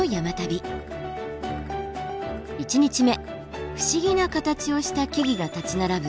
１日目不思議な形をした木々が立ち並ぶ